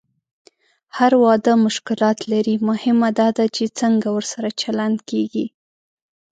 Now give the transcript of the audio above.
هر واده مشکلات لري، مهمه دا ده چې څنګه ورسره چلند کېږي.